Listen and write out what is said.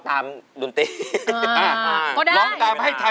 ถึงเวลา